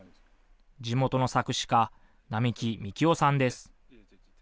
地元の作詞家、並木幹夫さんです。